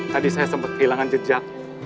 tadi saya sempat kehilangan jejak